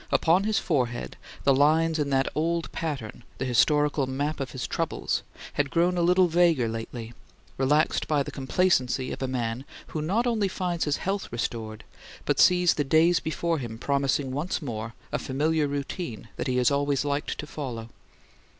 Upon his forehead the lines in that old pattern, the historical map of his troubles, had grown a little vaguer lately; relaxed by the complacency of a man who not only finds his health restored, but sees the days before him promising once more a familiar routine that he has always liked to follow.